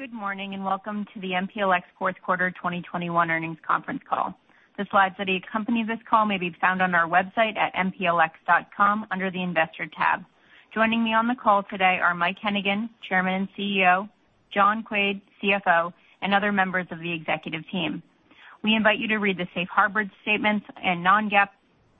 Good morning, and Welcome to the MPLX Fourth Quarter 2021 Earnings Conference Call. The slides that accompany this call may be found on our website at mplx.com under the Investor tab. Joining me on the call today are Mike Hennigan, Chairman and CEO, John Quaid, CFO, and other members of the executive team. We invite you to read the safe harbor statements and non-GAAP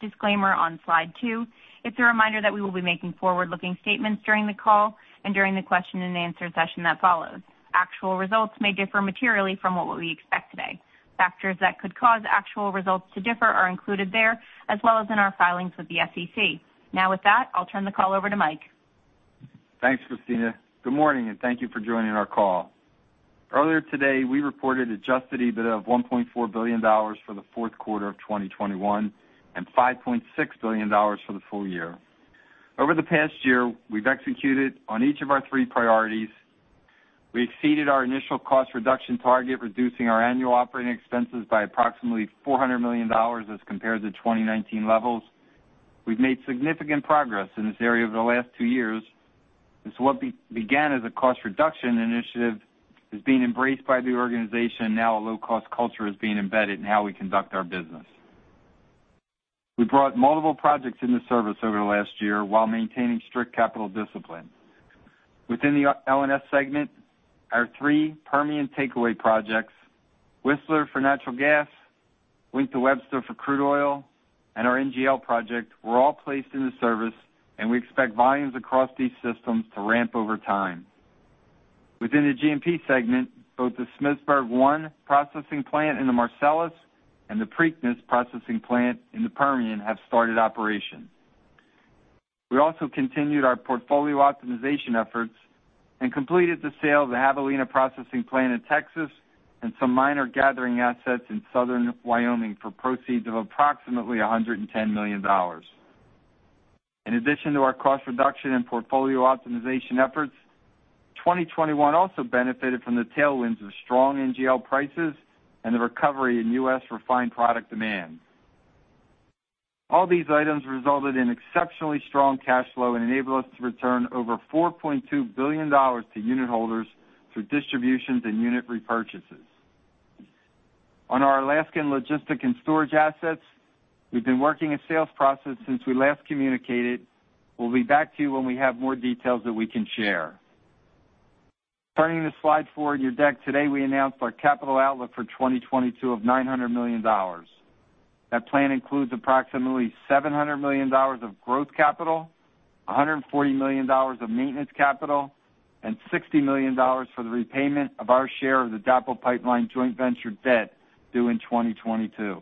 disclaimer on slide two. It's a reminder that we will be making forward-looking statements during the call and during the question-and-answer session that follows. Actual results may differ materially from what we expect today. Factors that could cause actual results to differ are included there, as well as in our filings with the SEC. Now with that, I'll turn the call over to Mike. Thanks, Kristina. Good morning, and thank you for joining our call. Earlier today, we reported adjusted EBITDA of $1.4 billion for the fourth quarter of 2021 and $5.6 billion for the full year. Over the past year, we've executed on each of our three priorities. We exceeded our initial cost reduction target, reducing our annual operating expenses by approximately $400 million as compared to 2019 levels. We've made significant progress in this area over the last two years, as what began as a cost reduction initiative is being embraced by the organization. Now a low-cost culture is being embedded in how we conduct our business. We brought multiple projects into service over the last year while maintaining strict capital discipline. Within the L&S segment, our three Permian takeaway projects, Whistler for Natural Gas, Wink to Webster for crude oil, and our NGL project were all placed into service, and we expect volumes across these systems to ramp over time. Within the G&P segment, both the Smithburg 1 processing plant in the Marcellus and the Preakness processing plant in the Permian have started operation. We also continued our portfolio optimization efforts and completed the sale of the Javelina processing plant in Texas and some minor gathering assets in southern Wyoming for proceeds of approximately $110 million. In addition to our cost reduction and portfolio optimization efforts, 2021 also benefited from the tailwinds of strong NGL prices and the recovery in U.S. refined product demand. All these items resulted in exceptionally strong cash flow and enabled us to return over $4.2 billion to unit holders through distributions and unit repurchases. On our Alaskan Logistics and Storage assets, we've been working a sales process since we last communicated. We'll be back to you when we have more details that we can share. Turning to slide four in your deck, today we announced our capital outlook for 2022 of $900 million. That plan includes approximately $700 million of growth capital, $140 million of maintenance capital, and $60 million for the repayment of our share of the DAPL Pipeline joint venture debt due in 2022.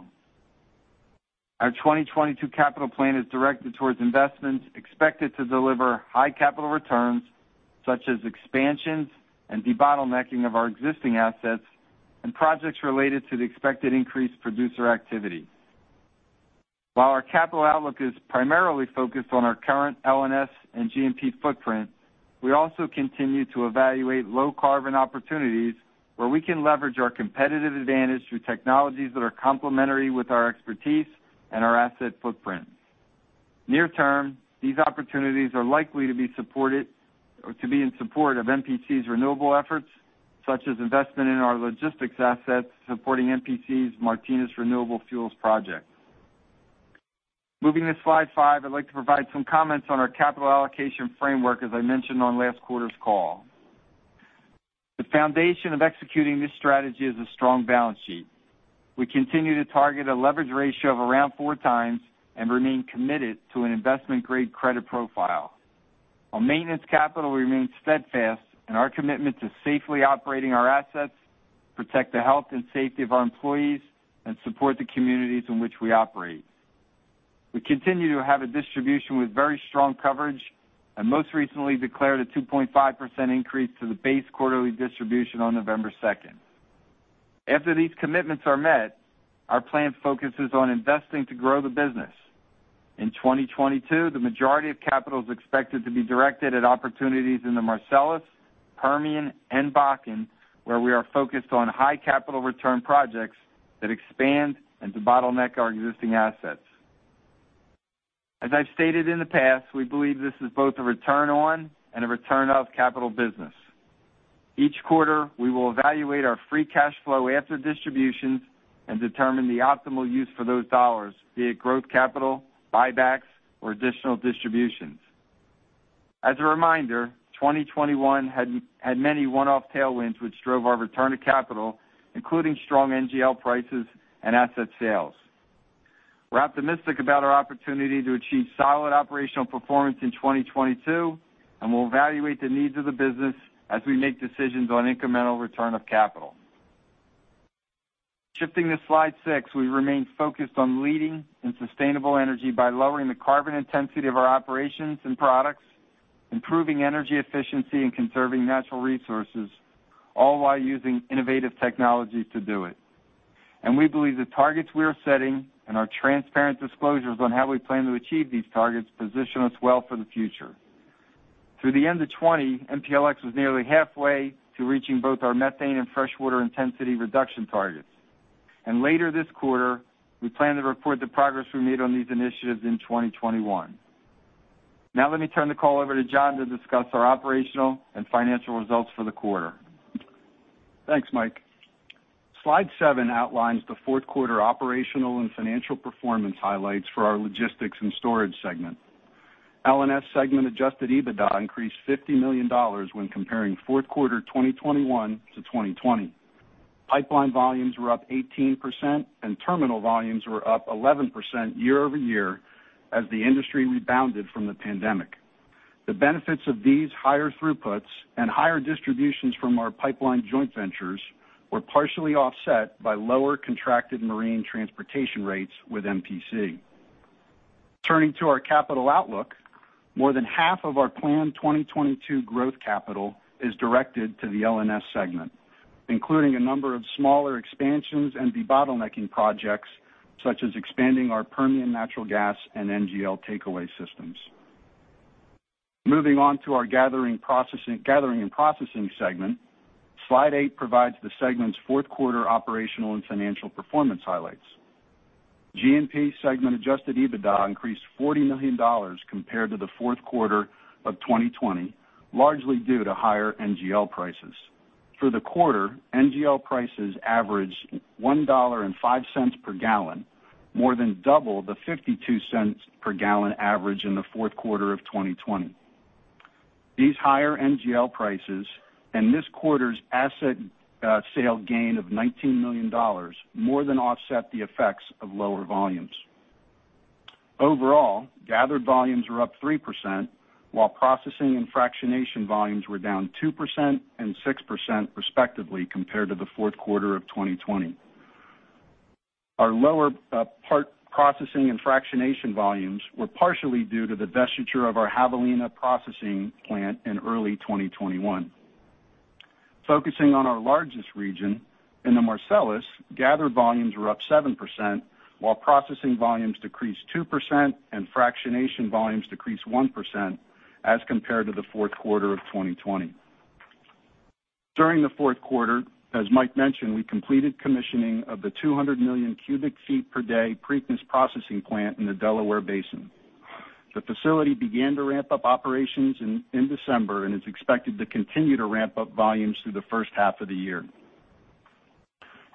Our 2022 capital plan is directed towards investments expected to deliver high capital returns, such as expansions and debottlenecking of our existing assets and projects related to the expected increased producer activity. While our capital outlook is primarily focused on our current L&S and G&P footprint, we also continue to evaluate low-carbon opportunities where we can leverage our competitive advantage through technologies that are complementary with our expertise and our asset footprint. Near term, these opportunities are likely to be in support of MPC's renewable efforts, such as investment in our logistics assets supporting MPC's Martinez Renewable Fuels project. Moving to slide five, I'd like to provide some comments on our capital allocation framework, as I mentioned on last quarter's call. The foundation of executing this strategy is a strong balance sheet. We continue to target a leverage ratio of around 4x and remain committed to an investment-grade credit profile. Our maintenance capital remains steadfast in our commitment to safely operating our assets, protect the health and safety of our employees, and support the communities in which we operate. We continue to have a distribution with very strong coverage and most recently declared a 2.5% increase to the base quarterly distribution on November 2nd. After these commitments are met, our plan focuses on investing to grow the business. In 2022, the majority of capital is expected to be directed at opportunities in the Marcellus, Permian, and Bakken, where we are focused on high capital return projects that expand and debottleneck our existing assets. As I've stated in the past, we believe this is both a return on and a return of capital business. Each quarter, we will evaluate our free cash flow after distributions and determine the optimal use for those dollars, be it growth capital, buybacks, or additional distributions. As a reminder, 2021 had many one-off tailwinds which drove our return to capital, including strong NGL prices and asset sales. We're optimistic about our opportunity to achieve solid operational performance in 2022, and we'll evaluate the needs of the business as we make decisions on incremental return of capital. Shifting to slide six, we remain focused on leading in sustainable energy by lowering the carbon intensity of our operations and products, improving energy efficiency, and conserving natural resources, all while using innovative technology to do it. We believe the targets we are setting and our transparent disclosures on how we plan to achieve these targets position us well for the future. Through the end of 2020, MPLX was nearly 1/2way to reaching both our methane and freshwater intensity reduction targets. Later this quarter, we plan to report the progress we made on these initiatives in 2021. Now let me turn the call over to John to discuss our operational and financial results for the quarter. Thanks, Mike. Slide seven outlines the fourth quarter operational and financial performance highlights for our Logistics and Storage segment. L&S segment adjusted EBITDA increased $50 million when comparing fourth quarter 2021 to 2020. Pipeline volumes were up 18%, and terminal volumes were up 11% year-over-year as the industry rebounded from the pandemic. The benefits of these higher throughputs and higher distributions from our pipeline joint ventures were partially offset by lower contracted marine transportation rates with MPC. Turning to our capital outlook, more than 1/2 of our planned 2022 growth capital is directed to the L&S segment, including a number of smaller expansions and debottlenecking projects, such as expanding our Permian Natural Gas and NGL takeaway systems. Moving on to our gathering and processing segment, slide eight provides the segment's fourth quarter operational and financial performance highlights. G&P segment adjusted EBITDA increased $40 million compared to the fourth quarter of 2020, largely due to higher NGL prices. For the quarter, NGL prices averaged $1.05 per gallon, more than double the $0.52 per gallon average in the fourth quarter of 2020. These higher NGL prices and this quarter's asset sale gain of $19 million more than offset the effects of lower volumes. Overall, gathered volumes were up 3%, while processing and fractionation volumes were down 2% and 6% respectively compared to the fourth quarter of 2020. Our lower processing and fractionation volumes were partially due to the divestiture of our Javelina processing plant in early 2021. Focusing on our largest region, in the Marcellus, gathered volumes were up 7%, while processing volumes decreased 2% and fractionation volumes decreased 1% as compared to the fourth quarter of 2020. During the fourth quarter, as Mike mentioned, we completed commissioning of the 200 million cu ft per day Preakness processing plant in the Delaware Basin. The facility began to ramp up operations in December and is expected to continue to ramp up volumes through the first 1/2 of the year.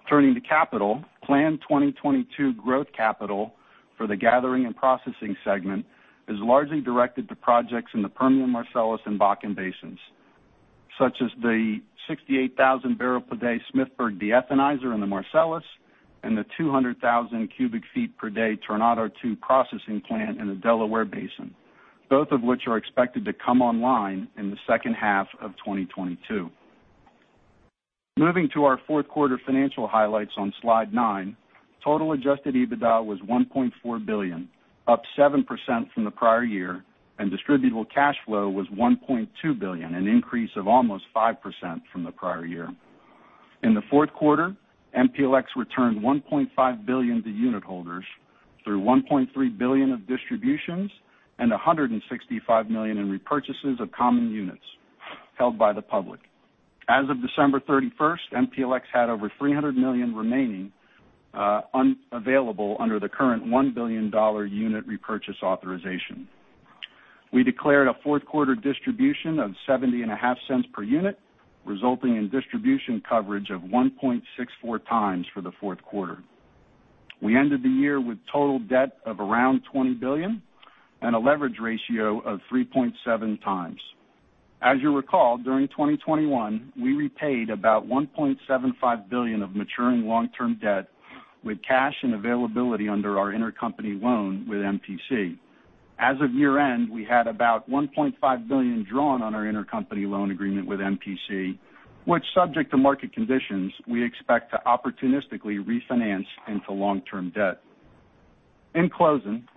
Turning to capital, planned 2022 growth capital for the Gathering and Processing segment is largely directed to projects in the Permian, Marcellus, and Bakken Basins, such as the 68,000 barrels per day Smithburg deethanizer in the Marcellus and the 200,000 cu ft per day Tornado Two processing plant in the Delaware Basin, both of which are expected to come online in the second 1/2 of 2022. Moving to our fourth quarter financial highlights on slide nine, total adjusted EBITDA was $1.4 billion, up 7% from the prior year, and distributable cash flow was $1.2 billion, an increase of almost 5% from the prior year. In the fourth quarter, MPLX returned $1.5 billion to unitholders through $1.3 billion of distributions and $165 million in repurchases of common units held by the public. As of December 31, MPLX had over $300 million remaining unavailable under the current $1 billion unit repurchase authorization. We declared a fourth quarter distribution of $0.705 per unit, resulting in distribution coverage of 1.64x for the fourth quarter. We ended the year with total debt of around $20 billion and a leverage ratio of 3.7x. As you recall, during 2021, we repaid about $1.75 billion of maturing long-term debt with cash and availability under our intercompany loan with MPC. As of year-end, we had about $1.5 billion drawn on our intercompany loan agreement with MPC, which, subject to market conditions, we expect to opportunistically refinance into long-term debt. In closing,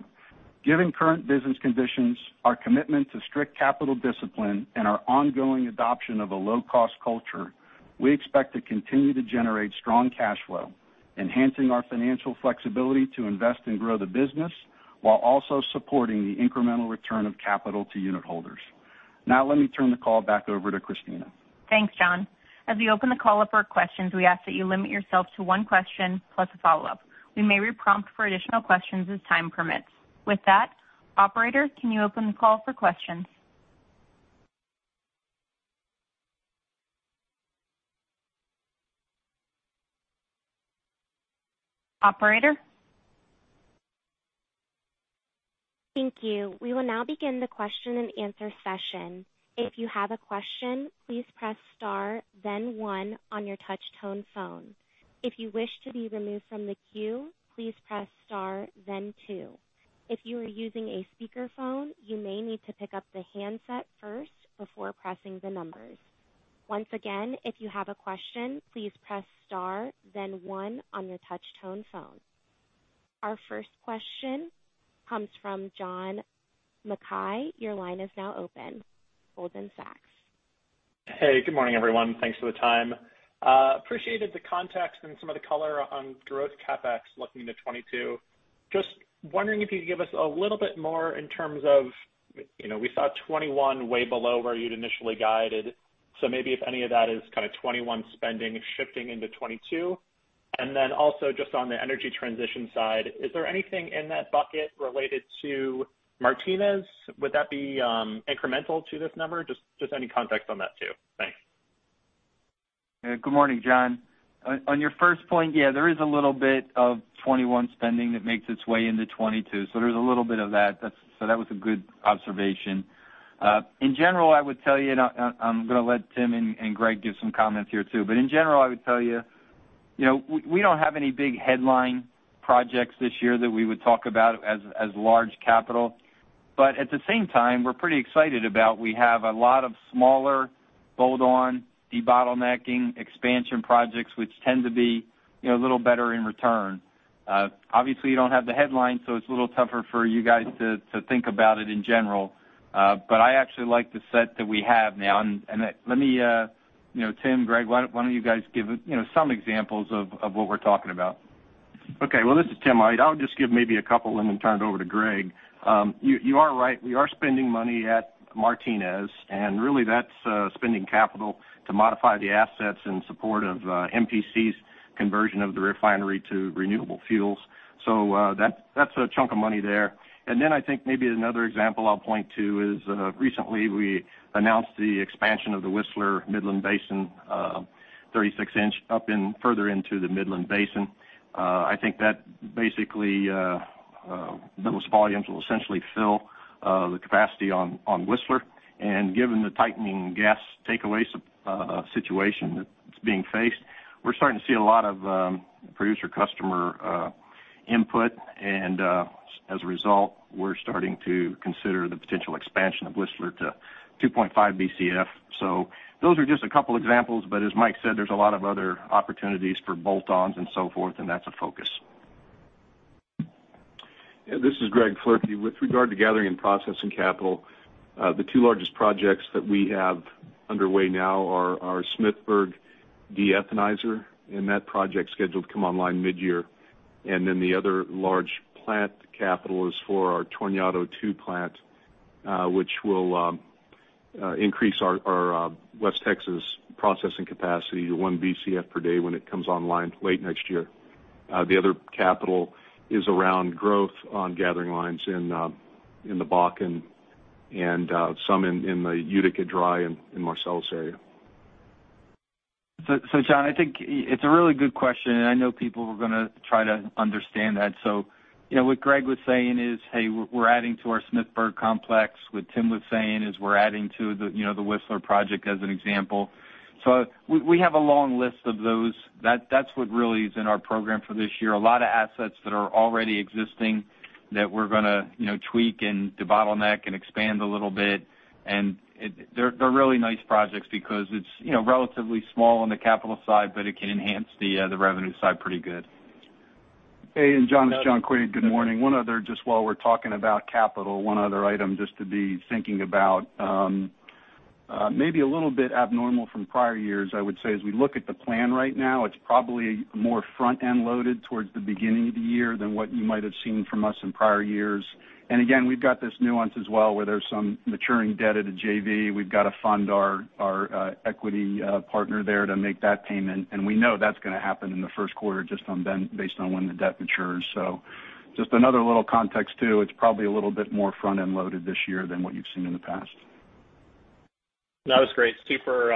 given current business conditions, our commitment to strict capital discipline, and our ongoing adoption of a low-cost culture, we expect to continue to generate strong cash flow, enhancing our financial flexibility to invest and grow the business while also supporting the incremental return of capital to unit holders. Now, let me turn the call back over to Kristina. Thanks, John. As we open the call up for questions, we ask that you limit yourself to one question plus a follow-up. We may re-prompt for additional questions as time permits. With that, operator, can you open the call for questions? Operator? Thank you. We will now begin the question-and-answer session. If you have a question, please press star then one on your touch tone phone. If you wish to be removed from the queue, please press star then two. If you are using a speakerphone, you may need to pick up the handset first before pressing the numbers. Once again, if you have a question, please press star then one on your touch tone phone. Our first question comes from John Mackay. Your line is now open. Goldman Sachs. Hey, good morning, everyone. Thanks for the time. Appreciated the context and some of the color on growth CapEx looking into 2022. Just wondering if you could give us a little bit more in terms of, you know, we saw 2021 way below where you'd initially guided. So maybe if any of that is kind of 2021 spending shifting into 2022. Then also just on the energy transition side, is there anything in that bucket related to Martinez? Would that be incremental to this number? Just any context on that too. Thanks. Good morning, John. On your first point, yeah, there is a little bit of 2021 spending that makes its way into 2022, so there's a little bit of that. That was a good observation. In general, I would tell you, and I'm gonna let Tim and Greg give some comments here too. In general, I would tell you know, we don't have any big headline projects this year that we would talk about as large capital. At the same time, we're pretty excited about we have a lot of smaller bolt-on debottlenecking expansion projects, which tend to be, you know, a little better in return. Obviously, you don't have the headlines, so it's a little tougher for you guys to think about it in general. I actually like the set that we have now. Let me. You know, Tim, Greg, why don't you guys give you know some examples of what we're talking about? Okay. Well, this is Tim. I'll just give maybe a couple and then turn it over to Greg. You are right. We are spending money at Martinez, and really that's spending capital to modify the assets in support of MPC's conversion of the refinery to renewable fuels. That's a chunk of money there. Then I think maybe another example I'll point to is recently we announced the expansion of the Whistler Midland Basin, 36-inch up and further into the Midland Basin. I think that basically those volumes will essentially fill the capacity on Whistler. Given the tightening gas takeaway situation that's being faced, we're starting to see a lot of producer customer input. As a result, we're starting to consider the potential expansion of Whistler to 2.5 BCF. Those are just a couple examples, but as Mike said, there's a lot of other opportunities for bolt-ons and so forth, and that's a focus. Yeah, this is Greg Floerke. With regard to Gathering & Processing capital, the 2 largest projects that we have underway now are our Smithburg deethanizer, and that project's scheduled to come online midyear. The other large plant capital is for our Tornado Two plant, which will increase our West Texas processing capacity to 1 BCF per day when it comes online late next year. The other capital is around growth on gathering lines in the Bakken and some in the Utica Dry and in Marcellus area. John, I think it's a really good question, and I know people are gonna try to understand that. You know, what Greg was saying is, hey, we're adding to our Smithburg Complex. What Tim was saying is we're adding to the, you know, the Whistler project as an example. We have a long list of those. That's what really is in our program for this year. A lot of assets that are already existing that we're gonna, you know, tweak and debottleneck and expand a little bit. They're really nice projects because it's, you know, relatively small on the capital side, but it can enhance the revenue side pretty good. Hey, John, it's John Quaid. Good morning. One other item just to be thinking about, maybe a little bit abnormal from prior years. I would say as we look at the plan right now, it's probably more front-end loaded towards the beginning of the year than what you might have seen from us in prior years. Again, we've got this nuance as well, where there's some maturing debt at a JV. We've got to fund our equity partner there to make that payment. We know that's gonna happen in the first quarter based on when the debt matures. Just another little context too. It's probably a little bit more front-end loaded this year than what you've seen in the past. That was great. Super,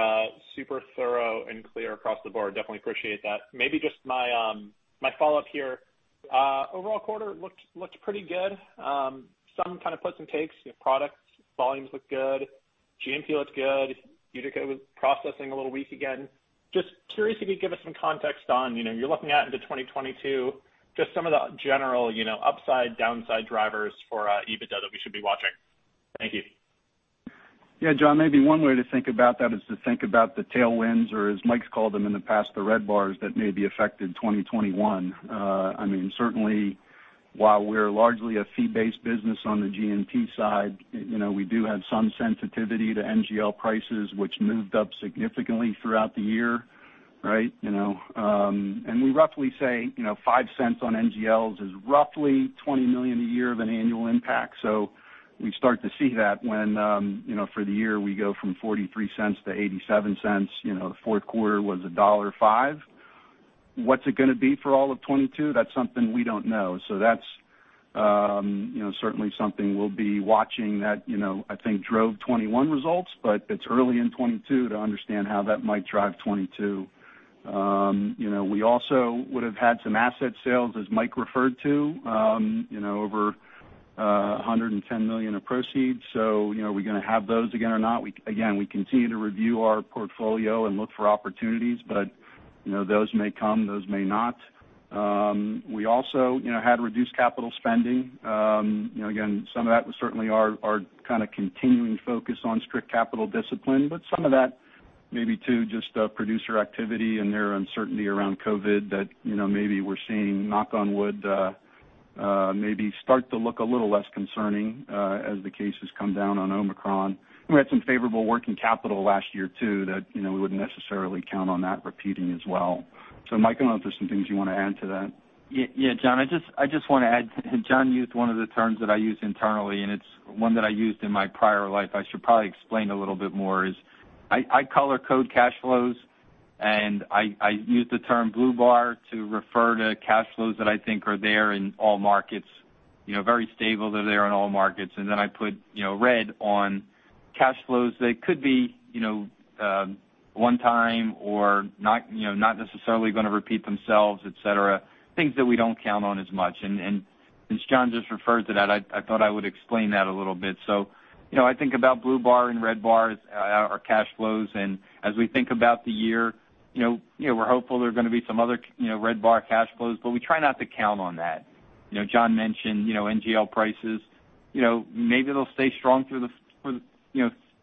super thorough and clear across the board. Definitely appreciate that. Maybe just my follow-up here. Overall quarter looked pretty good. Some kind of puts and takes. You know, products volumes looked good. G&P looked good. Utica was processing a little weak again. Just curious if you could give us some context on, you know, you're looking out into 2022, just some of the general, you know, upside, downside drivers for EBITDA that we should be watching. Thank you. Yeah, John, maybe one way to think about that is to think about the tailwinds, or as Mike's called them in the past, the red bars that may be affected in 2021. I mean, certainly while we're largely a fee-based business on the G&P side, you know, we do have some sensitivity to NGL prices, which moved up significantly throughout the year, right? You know, and we roughly say, you know, $0.05 on NGLs is roughly $20 million a year of an annual impact. So we start to see that when, you know, for the year, we go from $0.43 to $0.87. You know, the fourth quarter was $1.05. What's it gonna be for all of 2022? That's something we don't know. That's, you know, certainly something we'll be watching that, you know, I think drove 2021 results, but it's early in 2022 to understand how that might drive 2022. You know, we also would have had some asset sales, as Mike referred to, you know, over $110 million of proceeds. You know, are we gonna have those again or not? Again, we continue to review our portfolio and look for opportunities, but, you know, those may come, those may not. We also, you know, had reduced capital spending. You know, again, some of that was certainly our kind of continuing focus on strict capital discipline. Some of that maybe too, just producer activity and their uncertainty around COVID that, you know, maybe we're seeing, knock on wood, maybe start to look a little less concerning, as the cases come down on Omicron. We had some favorable working capital last year too that, you know, we wouldn't necessarily count on that repeating as well. Mike, I don't know if there's some things you wanna add to that. Yeah, yeah, John, I just wanna add. John used one of the terms that I use internally, and it's one that I used in my prior life. I should probably explain a little bit more. I color code cash flows. And I use the term blue bar to refer to cash flows that I think are there in all markets, you know, very stable. They're there in all markets. And then I put, you know, red on cash flows that could be, you know, one time or not, you know, not necessarily gonna repeat themselves, et cetera, things that we don't count on as much. And since John just referred to that, I thought I would explain that a little bit. So, you know, I think about blue bar and red bar as our cash flows. As we think about the year, you know, we're hopeful there are gonna be some other, you know, red bar cash flows, but we try not to count on that. You know, John mentioned, you know, NGL prices. You know, maybe they'll stay strong through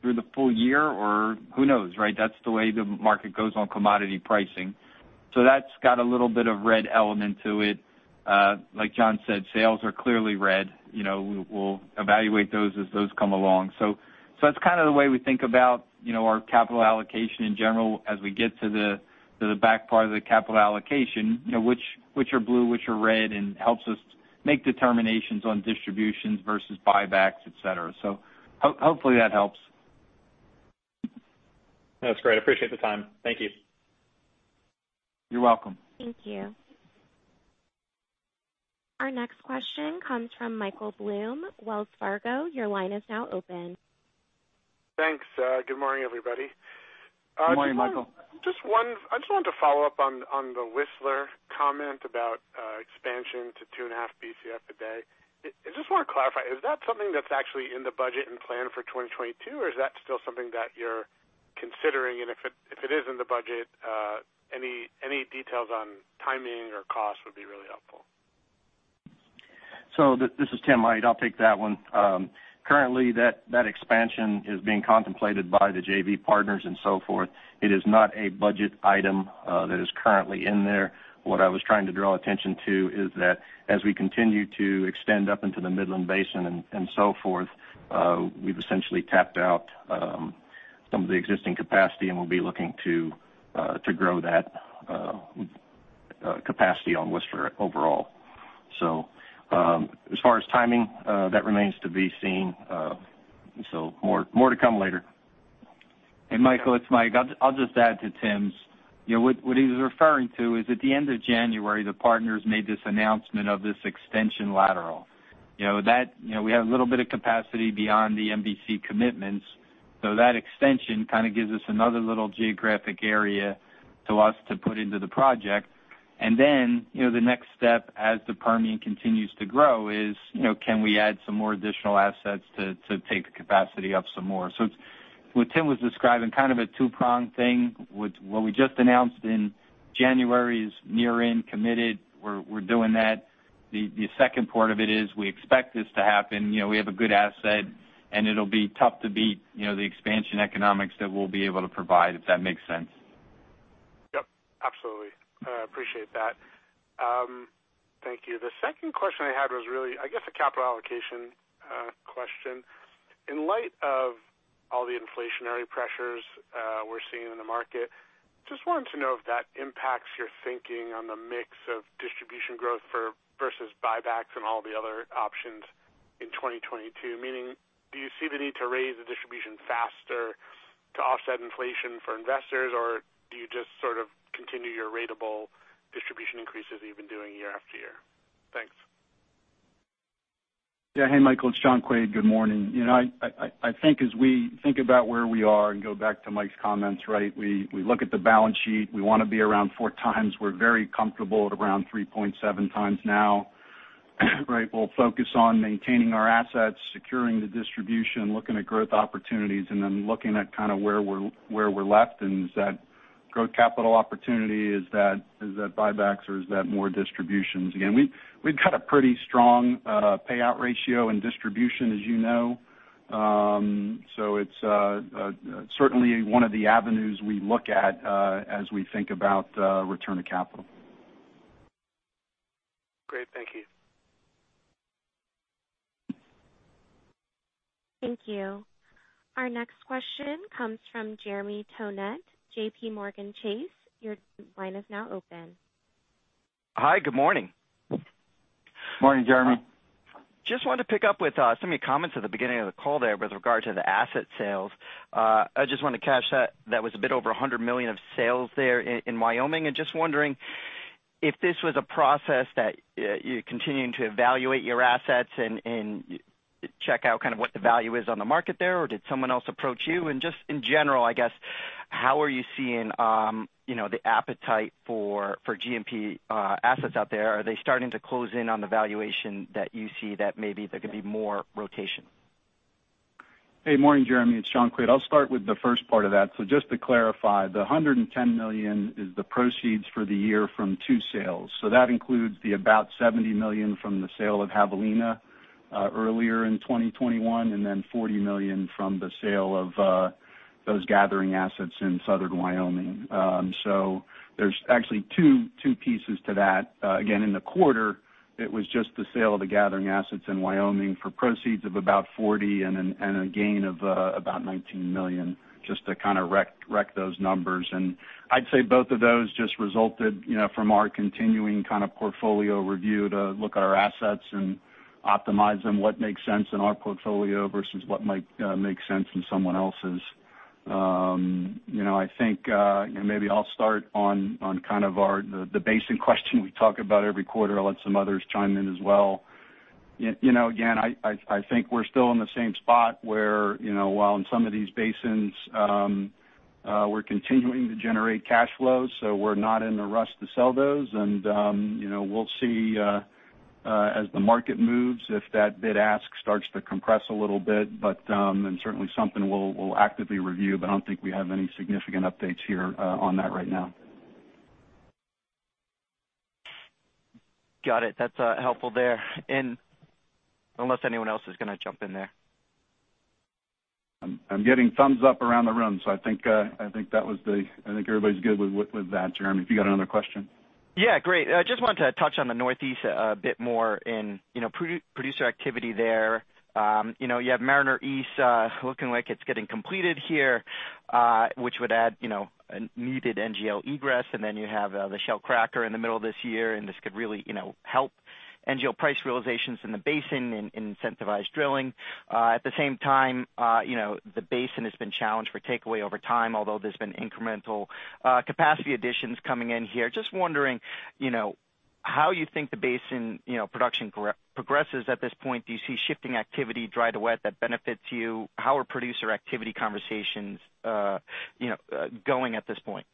the full year or who knows, right? That's the way the market goes on commodity pricing. That's got a little bit of red element to it. Like John said, sales are clearly red. You know, we will evaluate those as those come along. That's kind of the way we think about, you know, our capital allocation in general as we get to the back part of the capital allocation, you know, which are blue, which are red, and helps us make determinations on distributions vs buybacks, et cetera. Hopefully that helps. That's great. Appreciate the time. Thank you. You're welcome. Thank you. Our next question comes from Michael Blum, Wells Fargo. Your line is now open. Thanks. Good morning, everybody. Good morning, Michael. Just one I just wanted to follow up on the Whistler comment about expansion to 2.5 BCF a day. I just want to clarify, is that something that's actually in the budget and plan for 2022, or is that still something that you're considering? If it is in the budget, any details on timing or cost would be really helpful. This is Tim Aydt. I'll take that one. Currently that expansion is being contemplated by the JV partners and so forth. It is not a budget item that is currently in there. What I was trying to draw attention to is that as we continue to extend up into the Midland Basin and so forth, we've essentially tapped out some of the existing capacity, and we'll be looking to grow that capacity on Whistler overall. As far as timing, that remains to be seen. More to come later. Michael, it's Mike. I'll just add to Tim's. You know, what he's referring to is at the end of January, the partners made this announcement of this extension lateral. You know, that you know, we have a little bit of capacity beyond the MVC commitments. That extension kind of gives us another little geographic area to us to put into the project. You know, the next step as the Permian continues to grow is, you know, can we add some more additional assets to take the capacity up some more? It's what Tim was describing, kind of a two-pronged thing, which what we just announced in January is near-term, committed. We're doing that. The second part of it is we expect this to happen. You know, we have a good asset, and it'll be tough to beat, you know, the expansion economics that we'll be able to provide, if that makes sense. Yep, absolutely. Appreciate that. Thank you. The second question I had was really, I guess, a capital allocation question. In light of all the inflationary pressures we're seeing in the market, just wanted to know if that impacts your thinking on the mix of distribution growth vs buybacks and all the other options in 2022. Meaning, do you see the need to raise the distribution faster to offset inflation for investors, or do you just sort of continue your ratable distribution increases that you've been doing year after year? Thanks. Yeah. Hey, Michael, it's John Quaid. Good morning. You know, I think as we think about where we are and go back to Mike's comments, right? We look at the balance sheet. We wanna be around 4x. We're very comfortable at around 3.7x now, right? We'll focus on maintaining our assets, securing the distribution, looking at growth opportunities, and then looking at kind of where we're left, and is that growth capital opportunity, is that buybacks or is that more distributions? Again, we've got a pretty strong payout ratio and distribution, as you know. It's certainly one of the avenues we look at as we think about return to capital. Great. Thank you. Thank you. Our next question comes from Jeremy Tonet, JPMorgan Chase. Your line is now open. Hi, good morning. Morning, Jeremy. Just wanted to pick up with some of your comments at the beginning of the call there with regard to the asset sales. I just wanted to catch that. That was a bit over $100 million of sales there in Wyoming, and just wondering if this was a process that you're continuing to evaluate your assets and check out kind of what the value is on the market there, or did someone else approach you? Just in general, I guess, how are you seeing you know the appetite for G&P assets out there? Are they starting to close in on the valuation that you see that maybe there could be more rotation? Hey, morning, Jeremy. It's John Quaid. I'll start with the first part of that. Just to clarify, the $110 million is the proceeds for the year from two sales. That includes the about $70 million from the sale of Javelina earlier in 2021, and then $40 million from the sale of those gathering assets in Southern Wyoming. So there's actually two pieces to that. Again, in the quarter, it was just the sale of the gathering assets in Wyoming for proceeds of about $40 million and a gain of about $19 million, just to kind of recap those numbers. I'd say both of those just resulted, you know, from our continuing kind of portfolio review to look at our assets and optimize them, what makes sense in our portfolio vs what might make sense in someone else's. You know, I think maybe I'll start on kind of the basin question we talk about every quarter. I'll let some others chime in as well. You know, again, I think we're still in the same spot where, you know, while in some of these basins, we're continuing to generate cash flow, so we're not in a rush to sell those. You know, we'll see as the market moves, if that bid ask starts to compress a little bit. Certainly something we'll actively review, but I don't think we have any significant updates here on that right now. Got it. That's helpful there. Unless anyone else is gonna jump in there. I'm getting thumbs up around the room, so I think everybody's good with that, Jeremy. If you got another question? Yeah, great. I just wanted to touch on the Northeast a bit more in, you know, producer activity there. You know, you have Mariner East looking like it's getting completed here, which would add, you know, a needed NGL egress. Then you have the Shell cracker in the middle of this year, and this could really, you know, help NGL price realizations in the basin and incentivize drilling. At the same time, you know, the basin has been challenged for takeaway over time, although there's been incremental capacity additions coming in here. Just wondering, you know, how you think the basin, you know, production progresses at this point. Do you see shifting activity dry to wet that benefits you? How are producer activity conversations, you know, going at this point?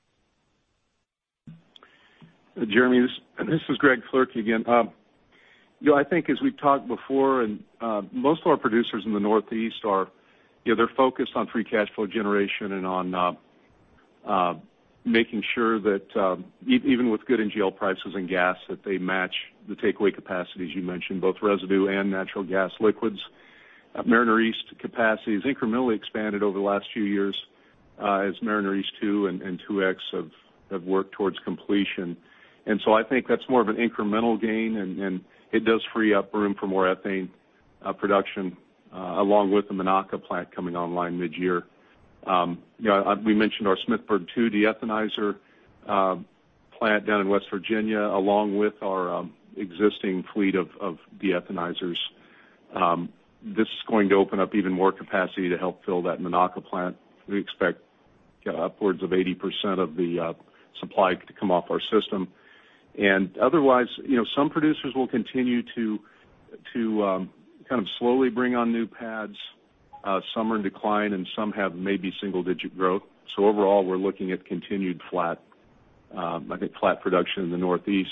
Jeremy, this is Greg Floerke again. You know, I think as we've talked before and most of our producers in the Northeast are, you know, they're focused on free cash flow generation and on making sure that even with good NGL prices and gas, that they match the takeaway capacity, as you mentioned, both residue and Natural Gas liquids. Mariner East capacity has incrementally expanded over the last few years, as Mariner East 2 and 2X have worked towards completion. I think that's more of an incremental gain, and it does free up room for more ethane production along with the Monaca plant coming online mid-year. You know, we mentioned our Smithburg 2 deethanizer plant down in West Virginia, along with our existing fleet of deethanizers. This is going to open up even more capacity to help fill that Monaca plant. We expect upwards of 80% of the supply to come off our system. Otherwise, you know, some producers will continue to kind of slowly bring on new pads. Some are in decline, and some have maybe single-digit growth. Overall, we're looking at continued flat, I think, flat production in the Northeast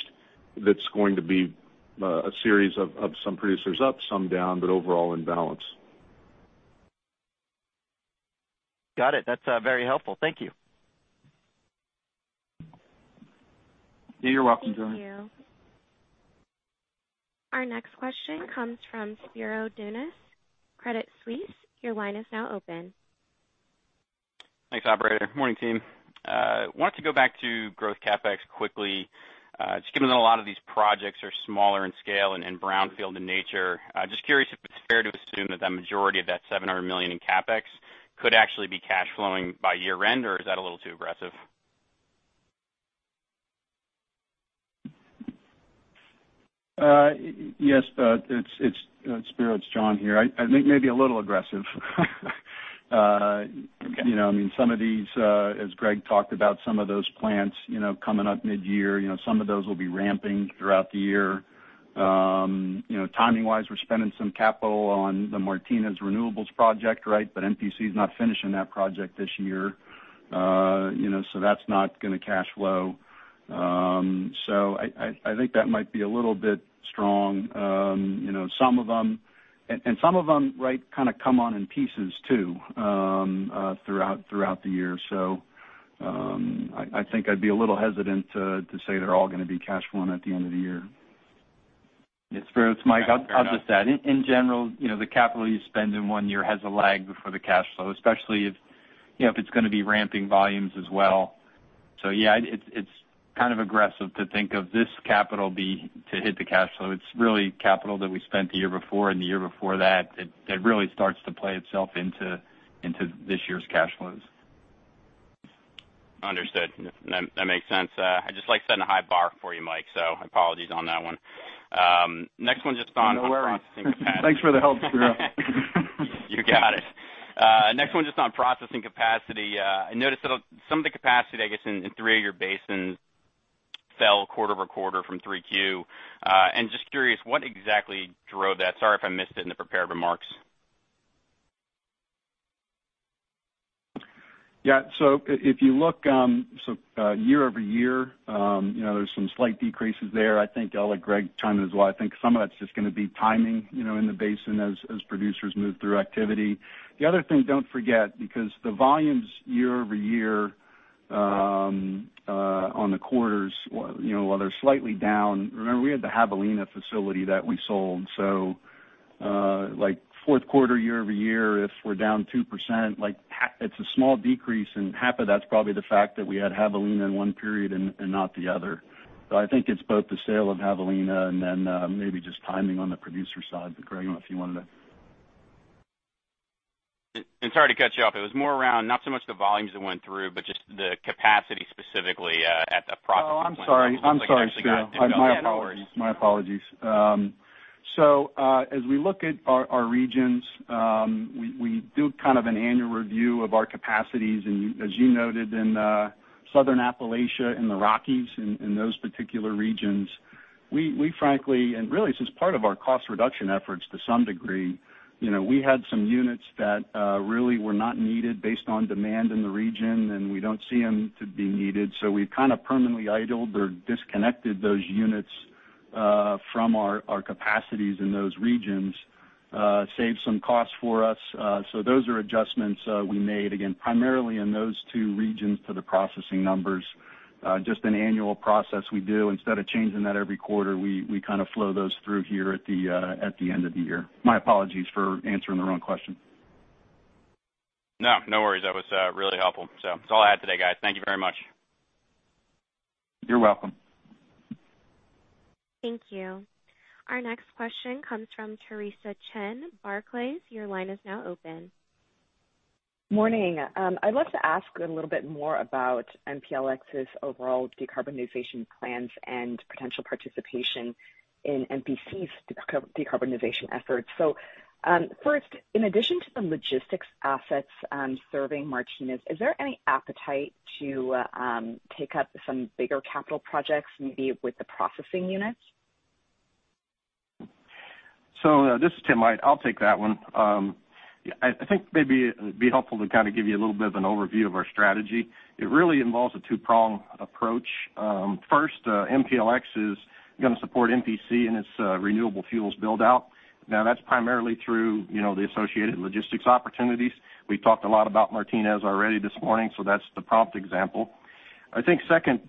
that's going to be a series of some producers up, some down, but overall in balance. Got it. That's very helpful. Thank you. You're welcome, Jeremy. Thank you. Our next question comes from Spiro Dounis, Credit Suisse. Your line is now open. Thanks, operator. Morning, team. Wanted to go back to growth CapEx quickly. Just given that a lot of these projects are smaller in scale and brownfield in nature, just curious if it's fair to assume that the majority of that $700 million in CapEx could actually be cash flowing by year-end, or is that a little too aggressive? Yes, Spiro, it's John here. I think maybe a little aggressive. Okay. You know, I mean, some of these, as Greg talked about, some of those plants, you know, coming up mid-year, you know, some of those will be ramping throughout the year. You know, timing-wise, we're spending some capital on the Martinez Renewable Fuels project, right? MPC is not finishing that project this year, you know, so that's not gonna cash flow. So I think that might be a little bit strong. You know, some of them and some of them, right, kind of come on in pieces too, throughout the year. So I think I'd be a little hesitant to say they're all gonna be cash flowing at the end of the year. It's Spiro. It's Mike. Fair enough. I'll just add, in general, you know, the capital you spend in one year has a lag before the cash flow, especially if, you know, if it's gonna be ramping volumes as well. So yeah, it's kind of aggressive to think of this capital to hit the cash flow. It's really capital that we spent the year before and the year before that really starts to play itself into this year's cash flows. Undertood. That makes sense. I just like setting a high bar for you, Mike, so apologies on that one. Next one just on- No worries. Processing capacity. Thanks for the help, Spiro. You got it. Next one just on processing capacity. I noticed that some of the capacity, I guess, in three of your basins fell quarter-over-quarter from 3Q. Just curious what exactly drove that? Sorry if I missed it in the prepared remarks. Yeah. If you look, year over year, you know, there's some slight decreases there. I think I'll let Greg chime in as well. I think some of that's just gonna be timing, you know, in the basin as producers move through activity. The other thing, don't forget, because the volumes year over year on the quarters, you know, while they're slightly down, remember we had the Javelina facility that we sold. Like fourth quarter year over year, if we're down 2%, it's a small decrease, and 1/2 of that's probably the fact that we had Javelina in one period and not the other. I think it's both the sale of Javelina and then maybe just timing on the producer side. Greg, I don't know if you wanted to... Sorry to cut you off. It was more around not so much the volumes that went through, but just the capacity specifically, at the processing plant. Oh, I'm sorry. I'm sorry, Spiro. My apologies. As we look at our regions, we do kind of an annual review of our capacities. As you noted in Southern Appalachia and the Rockies in those particular regions, we frankly and really as part of our cost reduction efforts to some degree, you know, we had some units that really were not needed based on demand in the region, and we don't see them to be needed. We kind of permanently idled or disconnected those units from our capacities in those regions and saved some costs for us. Those are adjustments we made, again, primarily in those two regions to the processing numbers. Just an annual process we do. Instead of changing that every quarter, we kind of flow those through here at the end of the year. My apologies for answering the wrong question. No, no worries. That was really helpful. That's all I had today, guys. Thank you very much. You're welcome. Thank you. Our next question comes from Theresa Chen, Barclays. Your line is now open. Morning. I'd love to ask a little bit more about MPLX's overall decarbonization plans and potential participation in MPC's decarbonization efforts. First, in addition to the logistics assets serving Martinez, is there any appetite to take up some bigger capital projects, maybe with the processing units? This is Tim Aydt. I'll take that one. I think maybe it'd be helpful to kind of give you a little bit of an overview of our strategy. It really involves a two-prong approach. First, MPLX is gonna support MPC in its renewable fuels build out. Now that's primarily through, you know, the associated logistics opportunities. We've talked a lot about Martinez already this morning, so that's the prime example. I think second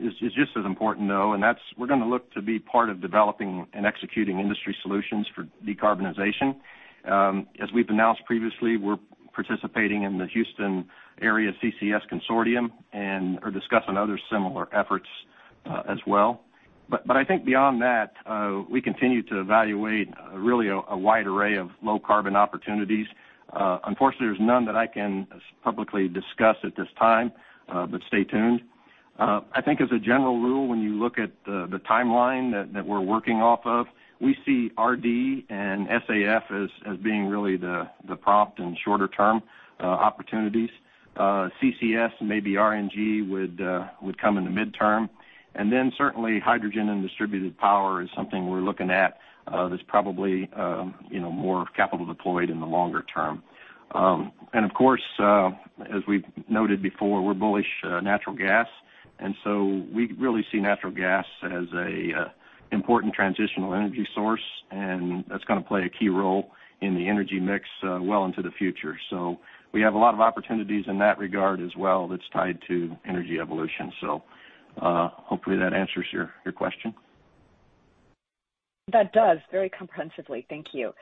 is just as important though, and that's where we're gonna look to be part of developing and executing industry solutions for decarbonization. As we've announced previously, we're participating in the Houston area CCS consortium and are discussing other similar efforts as well. I think beyond that, we continue to evaluate really a wide array of low carbon opportunities. Unfortunately, there's none that I can publicly discuss at this time, but stay tuned. I think as a general rule, when you look at the timeline that we're working off of, we see RD and SAF as being really the prompt and shorter term opportunities. CCS and maybe RNG would come in the midterm. Then certainly hydrogen and distributed power is something we're looking at, that's probably, you know, more capital deployed in the longer term. Of course, as we've noted before, we're bullish Natural Gas. We really see Natural Gas as a important transitional energy source, and that's gonna play a key role in the energy mix, well into the future. We have a lot of opportunities in that regard as well that's tied to energy evolution. Hopefully that answers your question. That does very comprehensively. Thank you.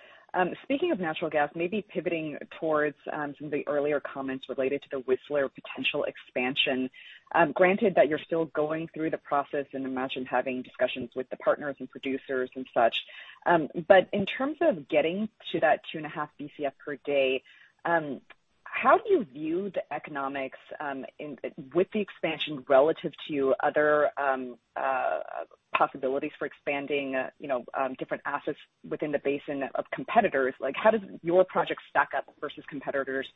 Speaking of Natural Gas, maybe pivoting towards some of the earlier comments related to the Whistler potential expansion. Granted that you're still going through the process and imagine having discussions with the partners and producers and such. In terms of getting to that 2.5 BCF per day, how do you view the economics within the expansion relative to other possibilities for expanding, you know, different assets within the basin or competitors? Like, how does your project stack up vs competitors?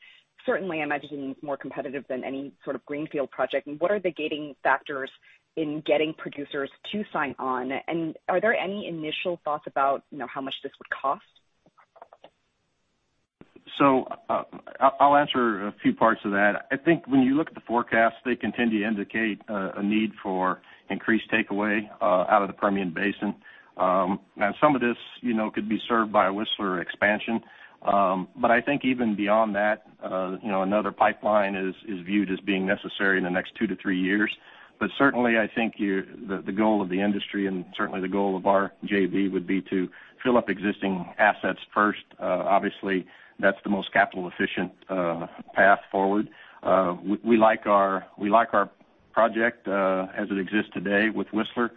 Certainly, I imagine it's more competitive than any sort of greenfield project. What are the gating factors in getting producers to sign on? Are there any initial thoughts about, you know, how much this would cost? I'll answer a few parts of that. I think when you look at the forecast, they continue to indicate a need for increased takeaway out of the Permian Basin. Now some of this, you know, could be served by a Whistler expansion. I think even beyond that, you know, another pipeline is viewed as being necessary in the next two to three years. Certainly I think the goal of the industry and certainly the goal of our JV would be to fill up existing assets first. Obviously that's the most capital efficient path forward. We like our project as it exists today with Whistler.